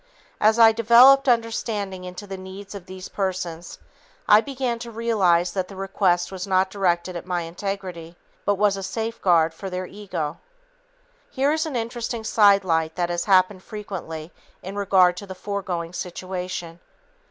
As I developed understanding into the needs of these persons, I began to realize that the request was not directed at my integrity, but was a safeguard for their ego. Here is an interesting sidelight that has happened frequently in regard to the foregoing situation.